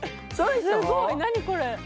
すごい、何これ？